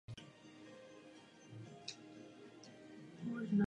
Rok nato získal zaměstnání v tamní reklamní agentuře.